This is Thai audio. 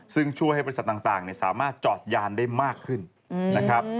ซึ่งช่วยให้บริษัทต่างสามารถจอดยานได้มากขึ้นนะครับ